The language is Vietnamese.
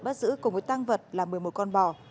bắt giữ cùng với tăng vật là một mươi một con bò